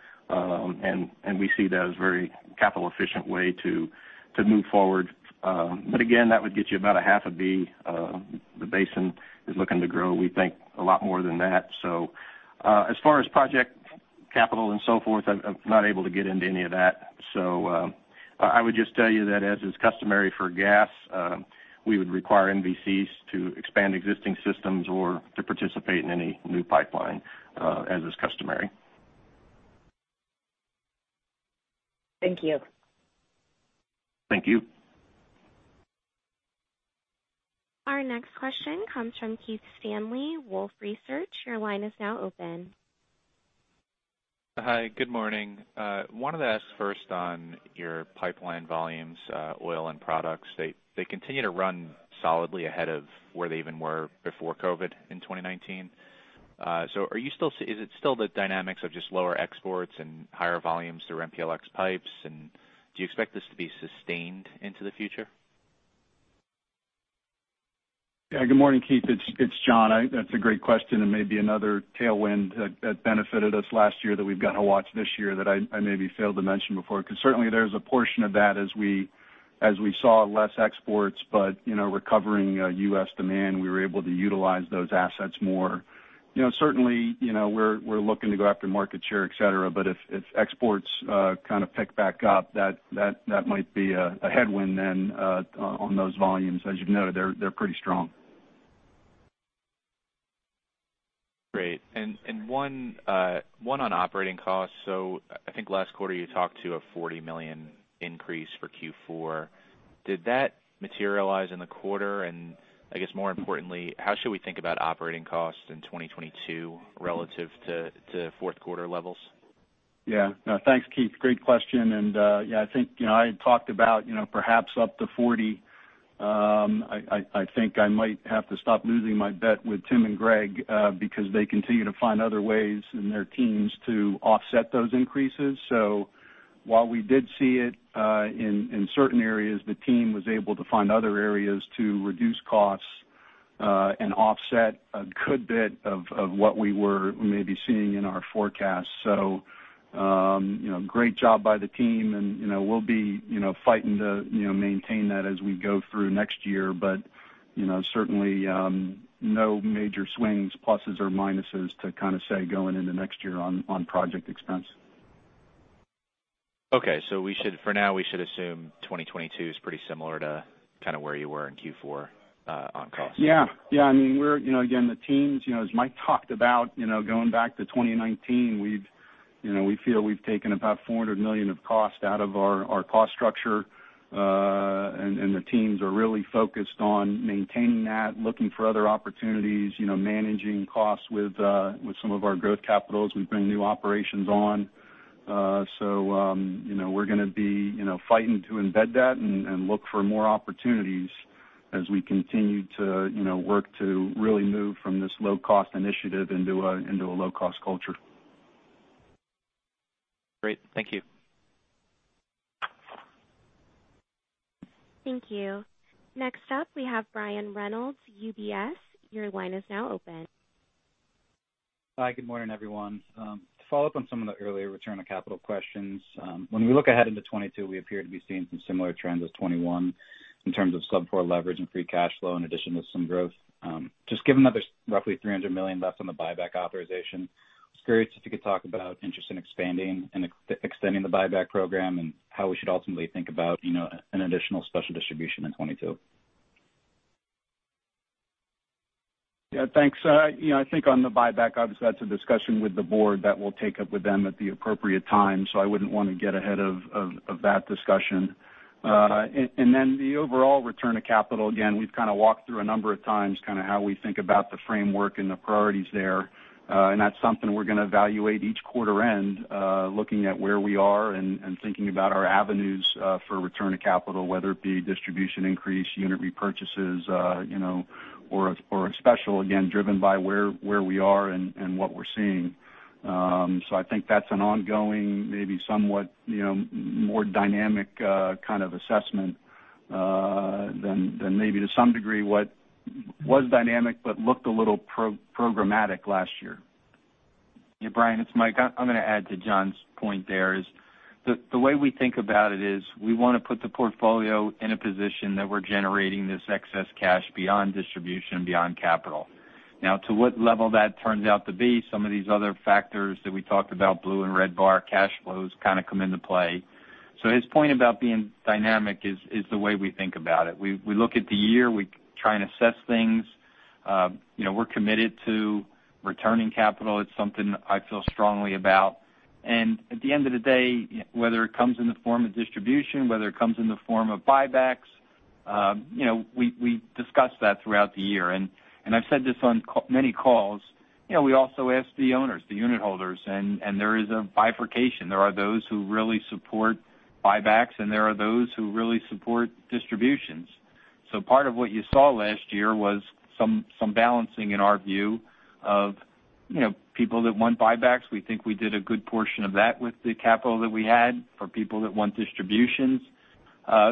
We see that as very capital efficient way to move forward. Again, that would get you about a 1/2 a BCF. The basin is looking to grow, we think, a lot more than that. As far as project capital and so forth, I'm not able to get into any of that. I would just tell you that as is customary for gas, we would require MVCs to expand existing systems or to participate in any new pipeline, as is customary. Thank you. Thank you. Our next question comes from Keith Stanley, Wolfe Research. Your line is now open. Hi. Good morning. Wanted to ask first on your pipeline volumes, oil and products. They continue to run solidly ahead of where they even were before COVID in 2019. So is it still the dynamics of just lower exports and higher volumes through MPLX pipes? Do you expect this to be sustained into the future? Yeah. Good morning, Keith. It's John. That's a great question, and maybe another tailwind that benefited us last year that we've got to watch this year that I maybe failed to mention before, because certainly there's a portion of that as we As we saw less exports, but you know, recovering U.S. demand, we were able to utilize those assets more. You know, certainly, you know, we're looking to go after market share, et cetera. If exports kind of pick back up, that might be a headwind then on those volumes. As you've noted, they're pretty strong. Great. One on operating costs. I think last quarter you talked to a $40 million increase for Q4. Did that materialize in the quarter? I guess more importantly, how should we think about operating costs in 2022 relative to fourth quarter levels? Yeah. No, thanks, Keith. Great question. Yeah, I think, you know, I had talked about, you know, perhaps up to $40 million. I think I might have to stop losing my bet with Tim and Greg because they continue to find other ways in their teams to offset those increases. While we did see it in certain areas, the team was able to find other areas to reduce costs and offset a good bit of what we were maybe seeing in our forecast. You know, great job by the team and, you know, we'll be, you know, fighting to, you know, maintain that as we go through next year. You know, certainly no major swings, pluses or minuses to kind of say going into next year on project expense. For now, we should assume 2022 is pretty similar to kind of where you were in Q4 on costs. Yeah. I mean, we're, you know, again, the teams, you know, as Mike talked about, you know, going back to 2019, we've, you know, we feel we've taken about $400 million of cost out of our cost structure. And the teams are really focused on maintaining that, looking for other opportunities, you know, managing costs with some of our growth capitals. We bring new operations on. You know, we're gonna be, you know, fighting to embed that and look for more opportunities as we continue to, you know, work to really move from this low-cost initiative into a low-cost culture. Great. Thank you. Thank you. Next up we have Brian Reynolds, UBS. Your line is now open. Hi. Good morning, everyone. To follow up on some of the earlier return on capital questions, when we look ahead into 2022, we appear to be seeing some similar trends as 2021 in terms of sub-4x leverage and free cash flow in addition to some growth. Just given that there's roughly $300 million left on the buyback authorization, I was curious if you could talk about interest in expanding and extending the buyback program and how we should ultimately think about, you know, an additional special distribution in 2022. Yeah. Thanks. You know, I think on the buyback, obviously that's a discussion with the board that we'll take up with them at the appropriate time, so I wouldn't want to get ahead of that discussion. Then the overall return of capital, again, we've kind of walked through a number of times kind of how we think about the framework and the priorities there. That's something we're gonna evaluate each quarter end, looking at where we are and thinking about our avenues for return of capital, whether it be distribution increase, unit repurchases, you know, or a special, again, driven by where we are and what we're seeing. I think that's an ongoing, maybe somewhat, you know, more dynamic kind of assessment than maybe to some degree what was dynamic but looked a little pro-programmatic last year. Yeah, Brian, it's Mike. I'm gonna add to John's point there. The way we think about it is we wanna put the portfolio in a position that we're generating this excess cash beyond distribution, beyond capital. Now, to what level that turns out to be, some of these other factors that we talked about, blue and red bar cash flows kind of come into play. His point about being dynamic is the way we think about it. We look at the year, we try and assess things. You know, we're committed to returning capital. It's something I feel strongly about. At the end of the day, whether it comes in the form of distribution, whether it comes in the form of buybacks, you know, we discuss that throughout the year. I've said this on many calls, you know, we also ask the owners, the unit holders, and there is a bifurcation. There are those who really support buybacks and there are those who really support distributions. Part of what you saw last year was some balancing in our view of, you know, people that want buybacks. We think we did a good portion of that with the capital that we had. For people that want distributions,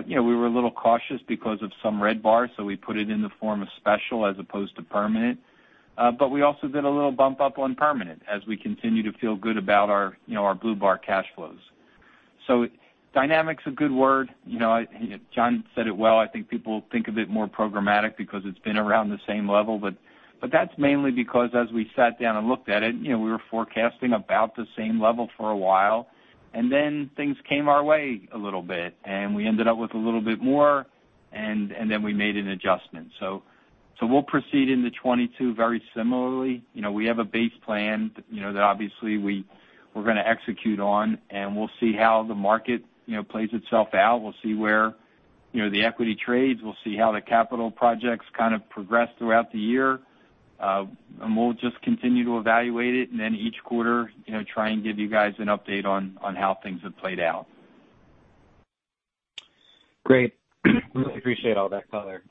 you know, we were a little cautious because of some red flags, so we put it in the form of special as opposed to permanent. But we also did a little bump up on permanent as we continue to feel good about our, you know, our blue bar cash flows. Dynamic's a good word. You know, John said it well. I think people think of it more programmatic because it's been around the same level. That's mainly because as we sat down and looked at it, you know, we were forecasting about the same level for a while, and then things came our way a little bit and we ended up with a little bit more and then we made an adjustment. We'll proceed into 2022 very similarly. You know, we have a base plan, you know, that obviously we're gonna execute on, and we'll see how the market, you know, plays itself out. We'll see where, you know, the equity trades. We'll see how the capital projects kind of progress throughout the year. And we'll just continue to evaluate it and then each quarter, you know, try and give you guys an update on how things have played out. Great. Really appreciate all that color.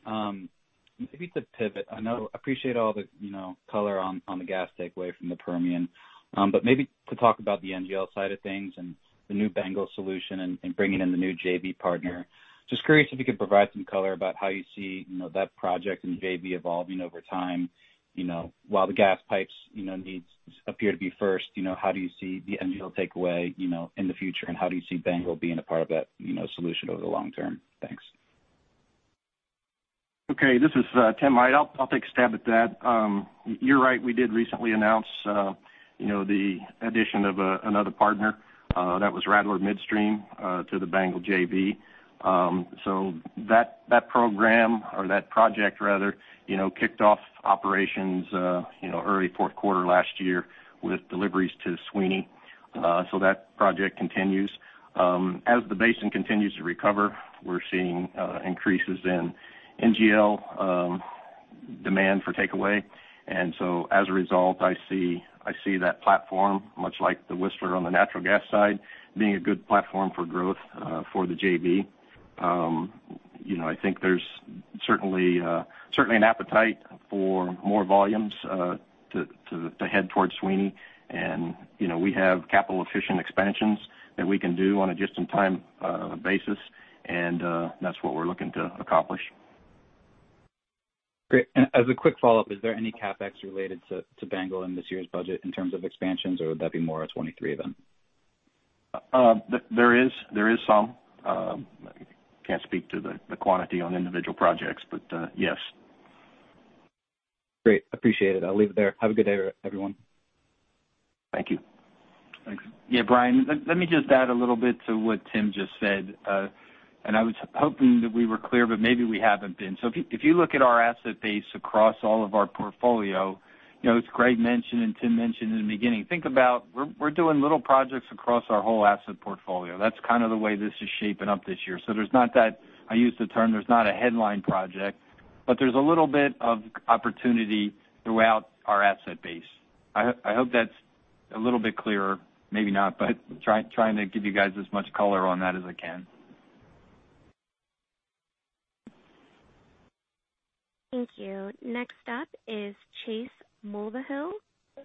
Maybe to pivot. I know, appreciate all the, you know, color on the gas takeaway from the Permian. But maybe to talk about the NGL side of things and the new BANGL solution and bringing in the new JV partner. Just curious if you could provide some color about how you see, you know, that project and JV evolving over time, you know. While the gas pipes, you know, needs appear to be first, you know, how do you see the NGL takeaway, you know, in the future, and how do you see BANGL being a part of that, you know, solution over the long term? Thanks. Okay, this is Tim Aydt. I'll take a stab at that. You're right, we did recently announce you know, the addition of another partner that was Rattler Midstream to the BANGL JV. So that program or that project rather you know, kicked off operations you know, early fourth quarter last year with deliveries to Sweeny. So that project continues. As the basin continues to recover, we're seeing increases in NGL demand for takeaway. As a result, I see that platform much like the Whistler on the Natural Gas side, being a good platform for growth for the JV. You know, I think there's certainly an appetite for more volumes to head towards Sweeny. You know, we have capital efficient expansions that we can do on a just in time basis. That's what we're looking to accomplish. Great. As a quick follow-up, is there any CapEx related to BANGL in this year's budget in terms of expansions, or would that be more of 2023 then? There is some. Can't speak to the quantity on individual projects, but yes. Great. Appreciate it. I'll leave it there. Have a good day, everyone. Thank you. Thanks. Yeah, Brian, let me just add a little bit to what Tim just said. I was hoping that we were clear, but maybe we haven't been. If you look at our asset base across all of our portfolio, you know, as Greg mentioned, and Tim mentioned in the beginning, think about we're doing little projects across our whole asset portfolio. That's kind of the way this is shaping up this year. There's not that, I use the term, there's not a headline project, but there's a little bit of opportunity throughout our asset base. I hope that's a little bit clearer. Maybe not, but trying to give you guys as much color on that as I can. Thank you. Next up is Chase Mulvehill,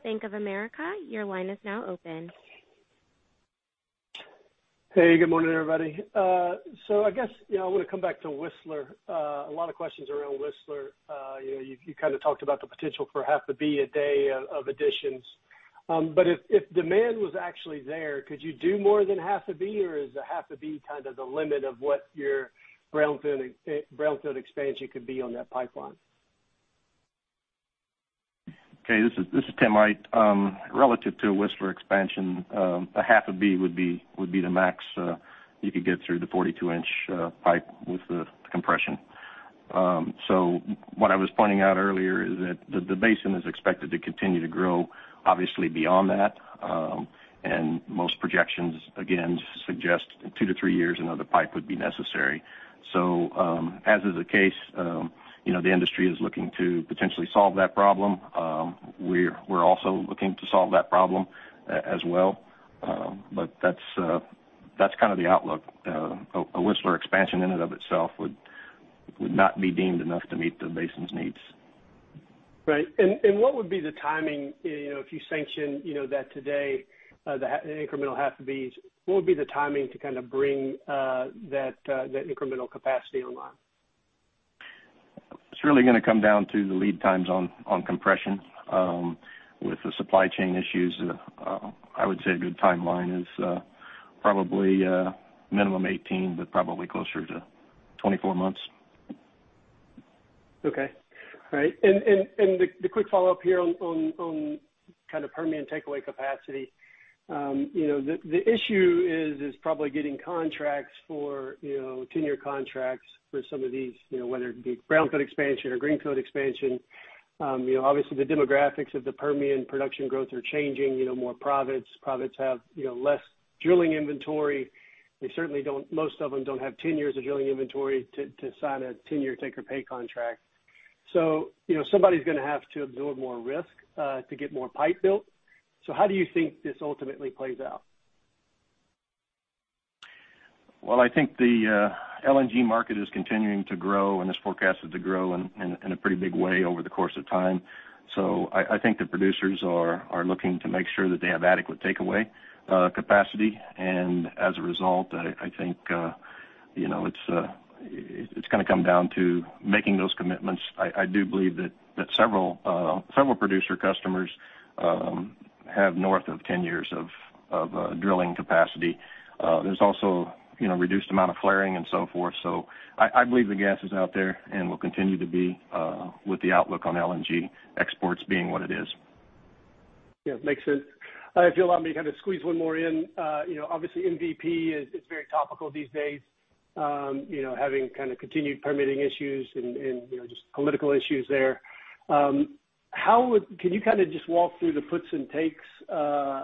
Bank of America, your line is now open. Hey, good morning, everybody. I guess, you know, I wanna come back to Whistler. A lot of questions around Whistler. You know, you kind of talked about the potential for 1/2 a B a day of additions. If demand was actually there, could you do more than 1/2 a B, or is a 1/2 a B kind of the limit of what your brownfield expansion could be on that pipeline? Okay. This is Tim Aydt. Relative to a Whistler expansion, 1/2 a BCF would be the max you could get through the 42-inch pipe with the compression. What I was pointing out earlier is that the basin is expected to continue to grow obviously beyond that. Most projections again suggest in two to three years, another pipe would be necessary. As is the case, you know, the industry is looking to potentially solve that problem. We're also looking to solve that problem as well. That's kind of the outlook. A Whistler expansion in and of itself would not be deemed enough to meet the basin's needs. Right. What would be the timing, you know, if you sanction, you know, that today, an incremental 1/2 a B, what would be the timing to kind of bring that incremental capacity online? It's really gonna come down to the lead times on compression. With the supply chain issues, I would say a good timeline is probably minimum 18, but probably closer to 24 months. The quick follow-up here on kind of Permian takeaway capacity. You know, the issue is probably getting contracts for 10-year contracts for some of these, you know, whether it be brownfield expansion or greenfield expansion. You know, obviously the demographics of the Permian production growth are changing, you know, more privates. Privates have, you know, less drilling inventory. They certainly don't. Most of them don't have 10 years of drilling inventory to sign a 10-year take or pay contract. You know, somebody's gonna have to absorb more risk to get more pipe built. How do you think this ultimately plays out? Well, I think the LNG market is continuing to grow and is forecasted to grow in a pretty big way over the course of time. I think the producers are looking to make sure that they have adequate takeaway capacity. As a result, I think, you know, it's gonna come down to making those commitments. I do believe that several producer customers have north of 10 years of drilling capacity. There's also, you know, reduced amount of flaring and so forth. I believe the gas is out there and will continue to be with the outlook on LNG exports being what it is. Yeah. Makes sense. If you'll allow me to kind of squeeze one more in. You know, obviously MVP is very topical these days, you know, having kind of continued permitting issues and you know, just political issues there. Can you kind of just walk through the puts and takes of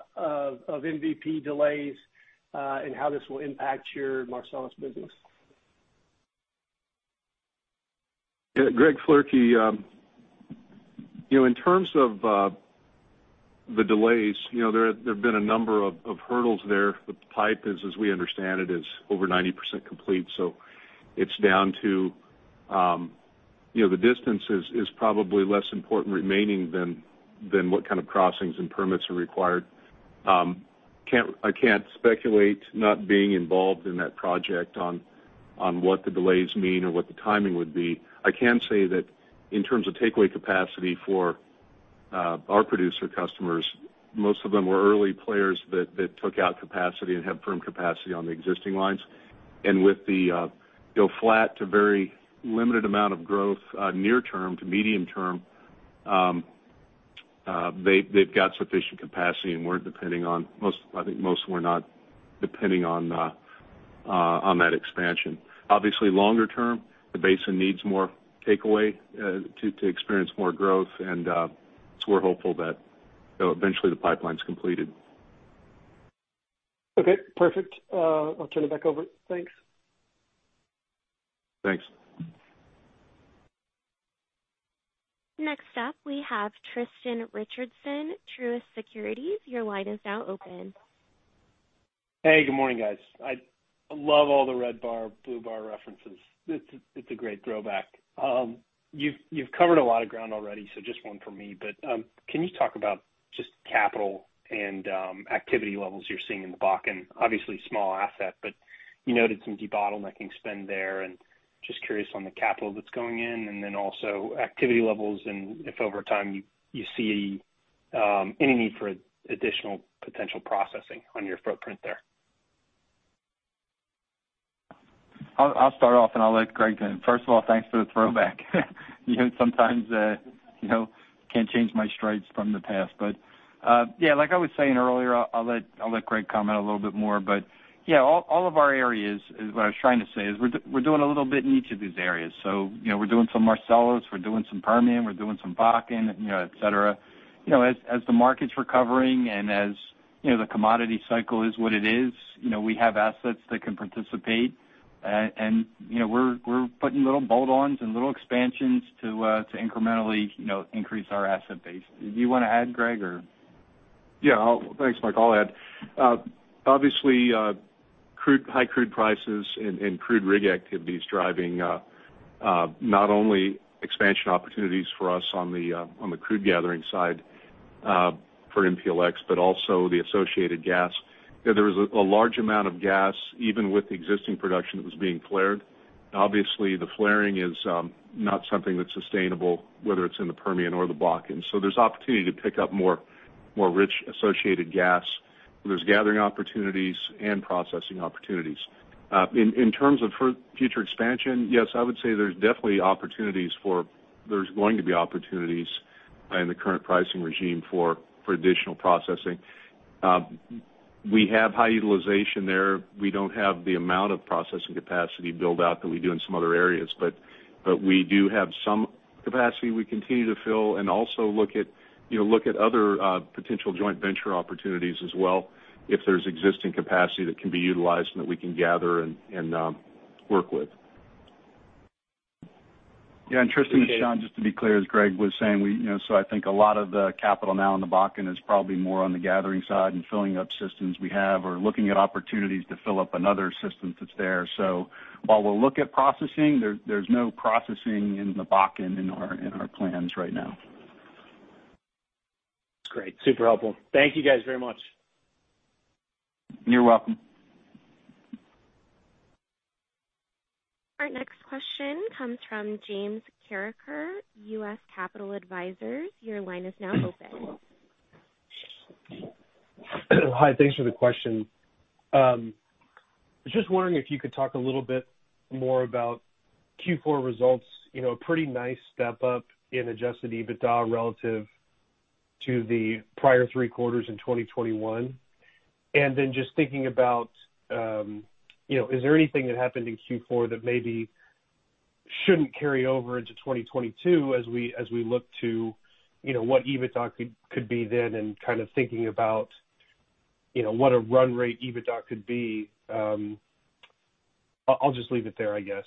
MVP delays and how this will impact your Marcellus business? Yeah. Greg Floerke. You know, in terms of the delays, you know, there've been a number of hurdles there. The pipe, as we understand it, is over 90% complete, so it's down to, you know, the distance remaining is probably less important than what kind of crossings and permits are required. I can't speculate, not being involved in that project, on what the delays mean or what the timing would be. I can say that in terms of takeaway capacity for Our producer customers, most of them were early players that took out capacity and have firm capacity on the existing lines. With the, you know, flat to very limited amount of growth near term to medium term, they've got sufficient capacity and weren't depending on most. I think most were not depending on that expansion. Obviously, longer term, the basin needs more takeaway to experience more growth, and so we're hopeful that, you know, eventually the pipeline's completed. Okay, perfect. I'll turn it back over. Thanks. Thanks. Next up, we have Tristan Richardson, Truist Securities. Your line is now open. Hey, good morning, guys. I love all the red bar, blue bar references. It's a great throwback. You've covered a lot of ground already, so just one from me. Can you talk about just capital and activity levels you're seeing in the Bakken? Obviously a small asset, but you noted some debottlenecking spend there and just curious on the capital that's going in and then also activity levels and if over time you see any need for additional potential processing on your footprint there. I'll start off and I'll let Greg then. First of all, thanks for the throwback. You know, sometimes, you know, can't change my stripes from the past. Yeah, like I was saying earlier, I'll let Greg comment a little bit more. Yeah, all of our areas, what I was trying to say is we're doing a little bit in each of these areas. You know, we're doing some Marcellus, we're doing some Permian, we're doing some Bakken, you know, et cetera. You know, as the market's recovering and as, you know, the commodity cycle is what it is, you know, we have assets that can participate. You know, we're putting little bolt-ons and little expansions to incrementally, you know, increase our asset base. Do you wanna add, Greg, or? Yeah. Thanks, Mike. I'll add. Obviously, high crude prices and crude rig activity is driving not only expansion opportunities for us on the crude gathering side for MPLX, but also the associated gas. There is a large amount of gas, even with the existing production that was being flared. Obviously, the flaring is not something that's sustainable, whether it's in the Permian or the Bakken. There's opportunity to pick up more rich associated gas. There's gathering opportunities and processing opportunities. In terms of future expansion, yes, I would say there's definitely opportunities. There's going to be opportunities in the current pricing regime for additional processing. We have high utilization there. We don't have the amount of processing capacity build-out that we do in some other areas, but we do have some capacity we continue to fill and also look at, you know, look at other potential joint venture opportunities as well if there's existing capacity that can be utilized and that we can gather and work with. Yeah. Tristan, it's Shawn. Just to be clear, as Greg was saying, we, you know, so I think a lot of the capital now in the Bakken is probably more on the gathering side and filling up systems we have or looking at opportunities to fill up another system that's there. While we'll look at processing, there's no processing in the Bakken in our plans right now. That's great. Super helpful. Thank you guys very much. You're welcome. Our next question comes from James Carreker, U.S. Capital Advisors. Your line is now open. Hi. Thanks for the question. I was just wondering if you could talk a little bit more about Q4 results. You know, a pretty nice step up in adjusted EBITDA relative to the prior three quarters in 2021. Just thinking about, you know, is there anything that happened in Q4 that maybe shouldn't carry over into 2022 as we look to, you know, what EBITDA could be then? Kind of thinking about, you know, what a run rate EBITDA could be. I'll just leave it there, I guess.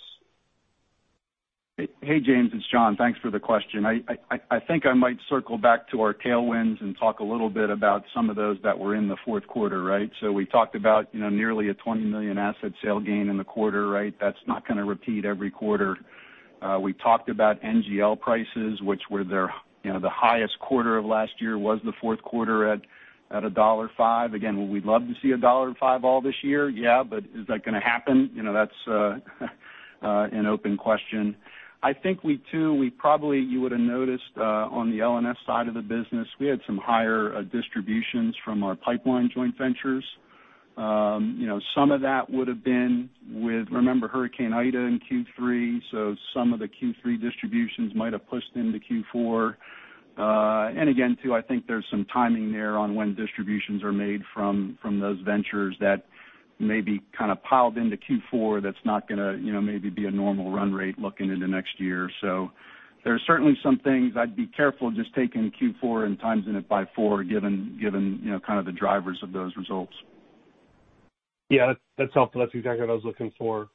Hey, James, it's Shawn. Thanks for the question. I think I might circle back to our tailwinds and talk a little bit about some of those that were in the fourth quarter, right? We talked about, you know, nearly a $20 million asset sale gain in the quarter, right? That's not gonna repeat every quarter. We talked about NGL prices, which were there, you know, the highest quarter of last year was the fourth quarter at $1.05. Again, would we love to see a $1.05 all this year? Yeah. Is that gonna happen? You know, that's an open question. I think, too, you would have noticed on the L&S side of the business, we had some higher distributions from our pipeline joint ventures. You know, some of that would have been with, remember Hurricane Ida in Q3, so some of the Q3 distributions might have pushed into Q4. Again too, I think there's some timing there on when distributions are made from those ventures that may be kind of piled into Q4 that's not gonna, you know, maybe be a normal run rate looking into next year. There are certainly some things I'd be careful just taking Q4 and timesing it by four, given, you know, kind of the drivers of those results. Yeah, that's helpful. That's exactly what I was looking for.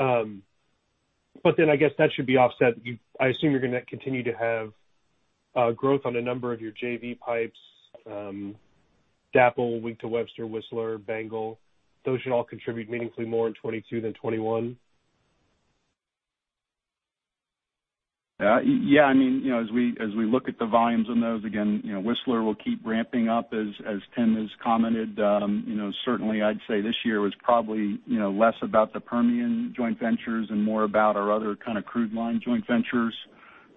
I guess that should be offset. I assume you're gonna continue to have growth on a number of your JV pipes. DAPL, Wink to Webster, Whistler, BANGL, those should all contribute meaningfully more in 2022 than 2021. Yeah, I mean, you know, as we look at the volumes on those, again, you know, Whistler will keep ramping up as Tim has commented. You know, certainly I'd say this year was probably, you know, less about the Permian joint ventures and more about our other kind of crude line joint ventures.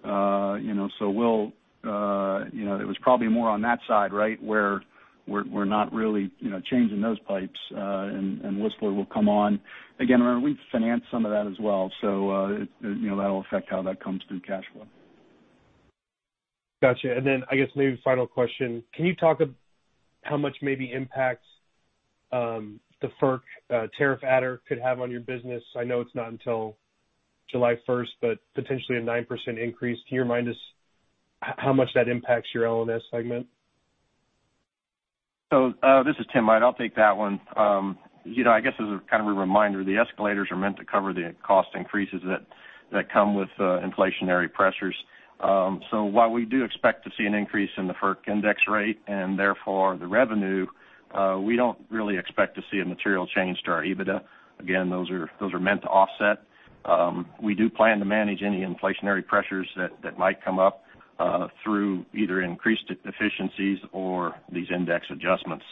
You know, we'll. You know, it was probably more on that side, right, where we're not really, you know, changing those pipes, and Whistler will come on. Again, we finance some of that as well, so you know, that'll affect how that comes through cash flow. Gotcha. I guess maybe final question. Can you talk about how much impact the FERC tariff adder could have on your business? I know it's not until July first, but potentially a 9% increase. Can you remind us how much that impacts your L&S segment? This is Tim Aydt. I'll take that one. You know, I guess as a kind of a reminder, the escalators are meant to cover the cost increases that come with inflationary pressures. While we do expect to see an increase in the FERC index rate and therefore the revenue, we don't really expect to see a material change to our EBITDA. Again, those are meant to offset. We do plan to manage any inflationary pressures that might come up through either increased efficiencies or these index adjustments.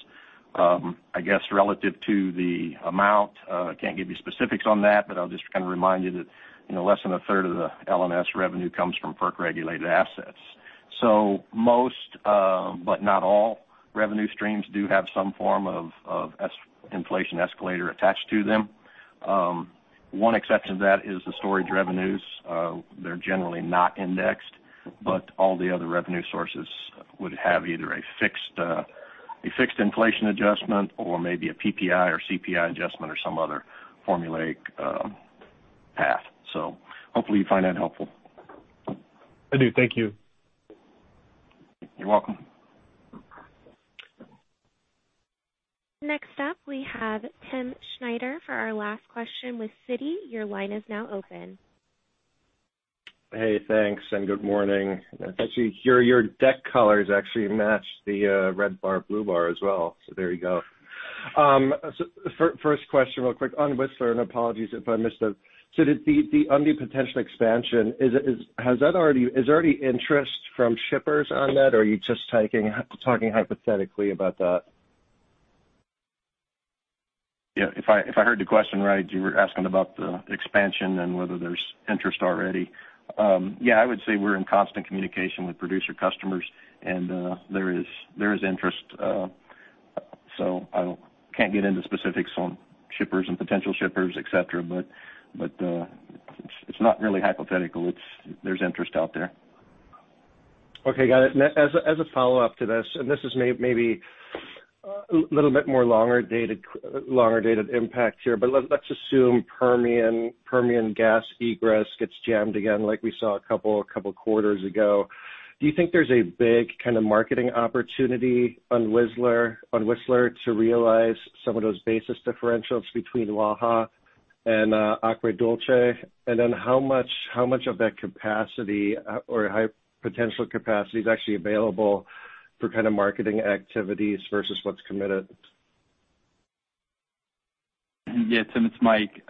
I guess relative to the amount, I can't give you specifics on that, but I'll just kind of remind you that, you know, less than a third of the L&S revenue comes from FERC-regulated assets. Most, but not all revenue streams do have some form of inflation escalator attached to them. One exception to that is the storage revenues. They're generally not indexed, but all the other revenue sources would have either a fixed inflation adjustment or maybe a PPI or CPI adjustment or some other formulaic path. Hopefully you find that helpful. I do. Thank you. You're welcome. Next up, we have Timm Schneider for our last question with Citi. Your line is now open. Hey, thanks, and good morning. Actually, your deck colors actually match the red bar, blue bar as well, so there you go. First question real quick on Whistler, and apologies if I missed it. The potential expansion, is there already interest from shippers on that, or are you just talking hypothetically about that? Yeah, if I heard the question right, you were asking about the expansion and whether there's interest already. Yeah, I would say we're in constant communication with producer customers, and there is interest. I can't get into specifics on shippers and potential shippers, et cetera. But it's not really hypothetical. There's interest out there. Okay, got it. As a follow-up to this is maybe a little bit more longer dated impact here. Let's assume Permian gas egress gets jammed again like we saw a couple quarters ago. Do you think there's a big kind of marketing opportunity on Whistler to realize some of those basis differentials between Waha and Agua Dulce? And then how much of that capacity or high potential capacity is actually available for kind of marketing activities vs what's committed? Yes, Tim, it's Mike.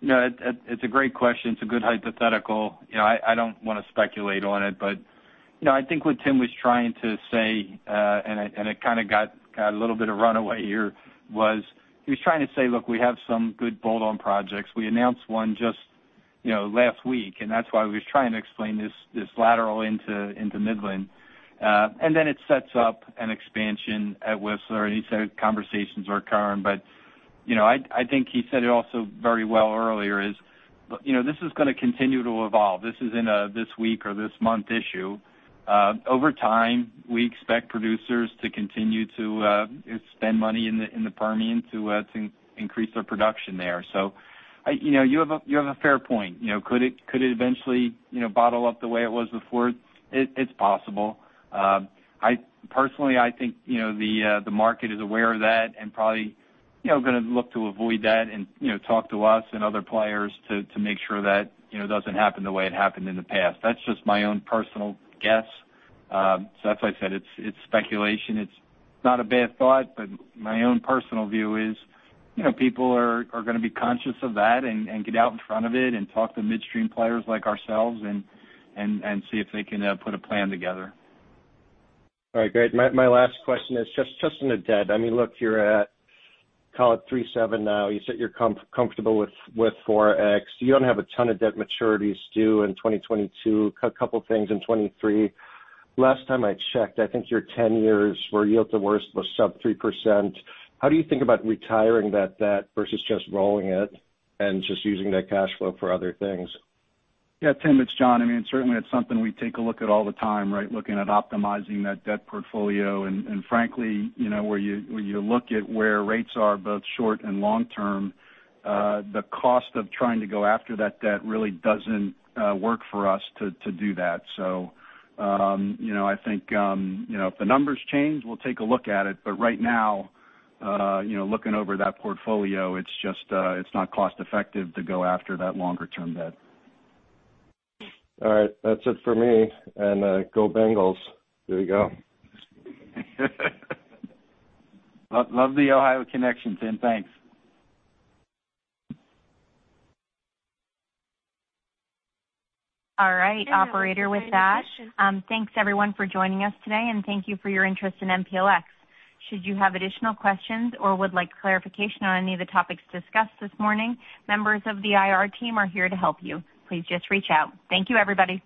You know, it's a great question. It's a good hypothetical. You know, I don't wanna speculate on it, but you know, I think what Tim was trying to say, and it kind of got a little bit of run away here, was he was trying to say, "Look, we have some good bolt-on projects." We announced one just, you know, last week, and that's why he was trying to explain this lateral into Midland. And then it sets up an expansion at Whistler, and he said conversations are occurring. You know, I think he said it also very well earlier is, you know, this is gonna continue to evolve. This isn't a this week or this month issue. Over time, we expect producers to continue to spend money in the Permian to increase their production there. You know, you have a fair point. You know, could it eventually, you know, bottle up the way it was before? It's possible. Personally, I think, you know, the market is aware of that and probably, you know, gonna look to avoid that and, you know, talk to us and other players to make sure that, you know, doesn't happen the way it happened in the past. That's just my own personal guess. That's why I said it's speculation. It's not a bad thought, but my own personal view is, you know, people are gonna be conscious of that and see if they can put a plan together. All right, great. My last question is just on the debt. I mean, look, you're at, call it 3.7x now. You said you're comfortable with 4x. You don't have a ton of debt maturities due in 2022. A couple things in 2023. Last time I checked, I think your 10-year yield to worst was sub 3%. How do you think about retiring that debt vs just rolling it and just using that cash flow for other things? Yeah, Tim, it's John. I mean, certainly it's something we take a look at all the time, right, looking at optimizing that debt portfolio. Frankly, you know, when you look at where rates are both short- and long-term, the cost of trying to go after that debt really doesn't work for us to do that. You know, I think, you know, if the numbers change, we'll take a look at it. Right now, you know, looking over that portfolio, it's just, it's not cost-effective to go after that longer-term debt. All right, that's it for me. Go Bengals. There you go. Love the Ohio connection, Tim. Thanks. All right. Operator, with that, thanks everyone for joining us today, and thank you for your interest in MPLX. Should you have additional questions or would like clarification on any of the topics discussed this morning, members of the IR team are here to help you. Please just reach out. Thank you, everybody.